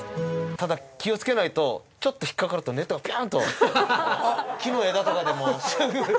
ただ気をつけないとちょっと引っ掛かるとネットがピューンと木の枝とかでもすぐ。